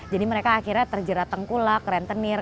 jadi mereka akhirnya terjerat tengkulak rentenir